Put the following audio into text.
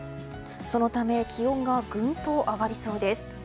そのため気温がぐんと上がりそうです。